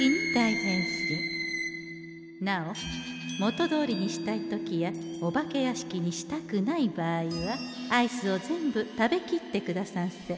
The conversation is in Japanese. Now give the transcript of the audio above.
なお元どおりにしたい時やお化けやしきにしたくない場合はアイスを全部食べきってくださんせ。